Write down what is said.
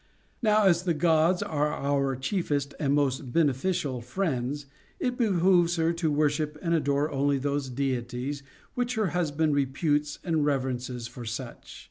Now as the Gods are our chiefest and most beneficial friends, it be hooves her to worship and adore only those Deities which her husband reputes and reverences for such.